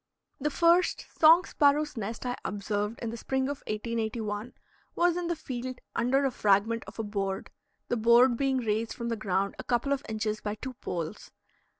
The first song sparrow's nest I observed in the spring of 1881 was in the field under a fragment of a board, the board being raised from the ground a couple of inches by two poles.